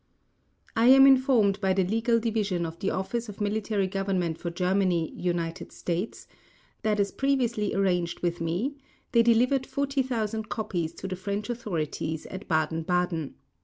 I am informed by the Legal Division of the Office of Military Government for Germany (United States) that as previously arranged with me, they delivered 40,000 copies to the French Authorities at Baden Baden.